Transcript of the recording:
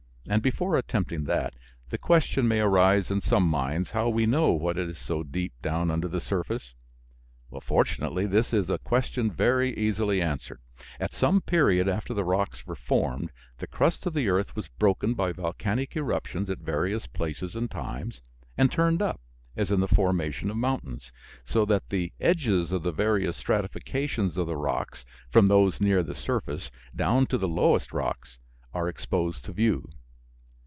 And before attempting that, the question may arise in some minds how we know what is so deep down under the surface. Fortunately this is a question very easily answered. At some period after the rocks were formed the crust of the earth was broken by volcanic eruptions at various places and times, and turned up, as in the formation of mountains, so that the edges of the various stratifications of the rocks, from those near the surface down to the lowest rocks, are exposed to view.